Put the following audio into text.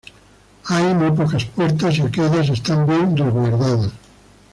Hay muy pocas puertas, y aquellas están bien resguardadas.